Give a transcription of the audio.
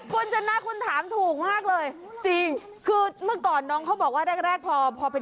คุณชนะคุณถามถูกมากเลยจริงคือเมื่อก่อนน้องเขาบอกว่าแรกแรกพอพอเป็น